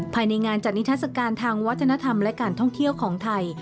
ภายในงานจัดนิทัศกาลทางวัฒนธรรมและการท่องเที่ยวของไทย